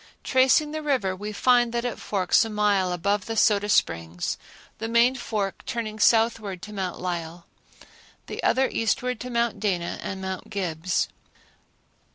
Tracing the river, we find that it forks a mile above the Soda Springs, the main fork turning southward to Mount Lyell, the other eastward to Mount Dana and Mount Gibbs.